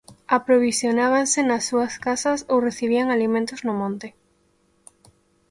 Aprovisionábanse nas súas casas ou recibían alimentos no monte.